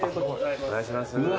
お願いします。